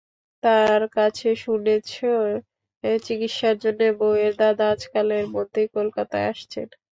তার কাছে শুনেছে, চিকিৎসার জন্যে বউয়ের দাদা আজকালের মধ্যেই কলকাতায় আসছেন।